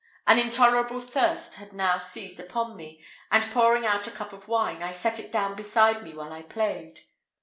An intolerable thirst had now seized upon me, and pouring out a cup of wine, I set it down beside me while I played.